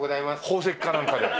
宝石かなんかで。